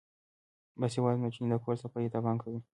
باسواده نجونې د کور صفايي ته پام کوي.